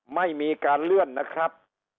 ไม่มีการเลื่อนนะครับ